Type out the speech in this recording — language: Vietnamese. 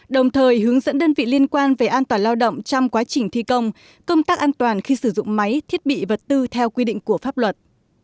đồng thời hướng dẫn đơn vị liên quan về an toàn lao động trong quá trình thi công công tác an toàn khi sử dụng máy thiết bị vật tư theo quy định của pháp luật